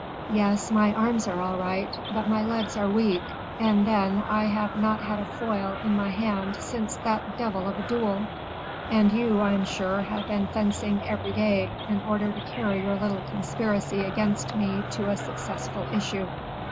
"Yes, my arms are all right, but my legs are weak; and then, I have not had a foil in my hand since that devil of a duel; and you, I am sure, have been fencing every day, in order to carry your little conspiracy against me to a successful issue."